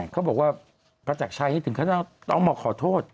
เขาบอกว่าประจักรชัยนี่ถึงขั้นต้องมาขอโทษ